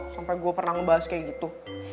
sampai gue pernah ngebahas kayak gitu